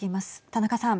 田中さん。